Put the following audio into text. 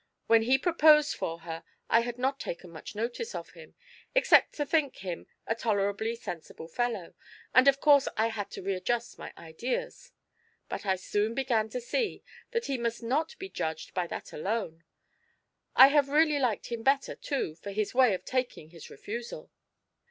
"When he proposed for her I had not taken much notice of him, except to think him a tolerably sensible fellow, and of course I had to readjust my ideas; but I soon began to see that he must not be judged by that alone. I have really liked him better, too, for his way of taking his refusal."